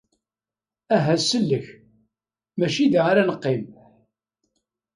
Aha sellek, mačči da ara ad neqqim!